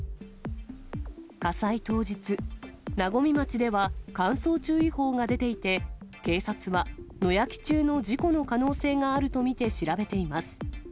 火災当日、和水町では乾燥注意報が出ていて、警察は野焼き中の事故の可能性があると見て調べています。